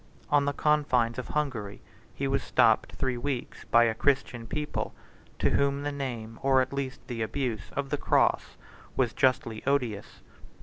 On the confines of Hungary he was stopped three weeks by a Christian people, to whom the name, or at least the abuse, of the cross was justly odious.